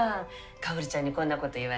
薫ちゃんにこんなこと言われて。